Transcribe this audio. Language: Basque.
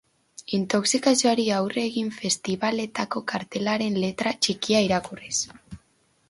Intoxikazioari aurre egin, festibaletako kartelen letra txikia irakurriz.